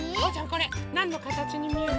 これなんのかたちにみえる？